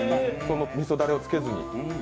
みそだれをつけずに。